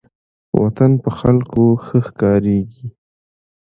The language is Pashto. وطن په خلکو ښه ښکاریږي.